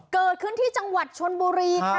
เกิดขึ้นที่จังหวัดชนบุรีค่ะ